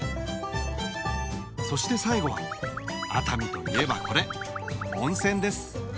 そして最後は熱海といえばこれ温泉です。